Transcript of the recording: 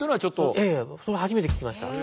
ええ初めて聞きました。